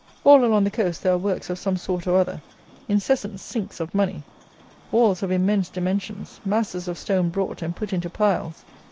All along the coast there are works of some sort or other; incessant sinks of money; walls of immense dimensions; masses of stone brought and put into piles.